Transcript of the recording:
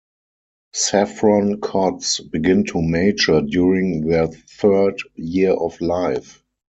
Saffron cods begin to mature during their third year of life.